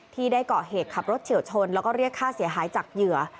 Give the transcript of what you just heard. ที่ได้เกาะเหตุขับรถเฉียวชนแล้วก็เรียกค่าเสียหายจากเหยื่อ